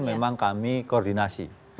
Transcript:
memang kami koordinasi